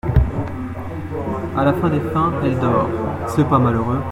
À la fin des fins, elle dort… c’est pas malheureux !…